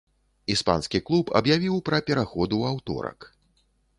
Іспанскі клуб аб'явіў пра пераход у аўторак.